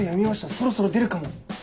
そろそろ出るかも。